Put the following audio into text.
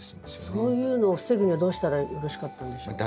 そういうのを防ぐにはどうしたらよろしかったんでしょう？